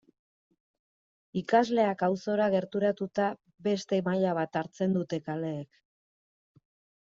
Ikasleak auzora gerturatuta beste maila bat hartzen dute kaleek.